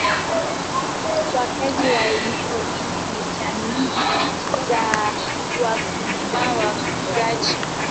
Wakazi wa eneo hili ni jamii za wakulima na wafugaji.